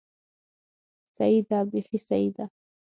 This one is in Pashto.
سيي ده، بېخي سيي ده!